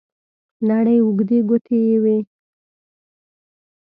نرۍ اوږدې ګوتې یې وې.